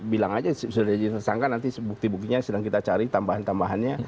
bilang aja sudah jadi tersangka nanti bukti buktinya sedang kita cari tambahan tambahannya